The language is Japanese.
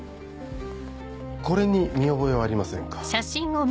これに見覚えはありませんか？